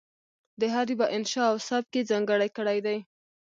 د هر یوه انشأ او سبک یې ځانګړی کړی دی.